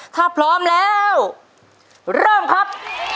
ถ้าพร้อมแล้วเริ่มครับ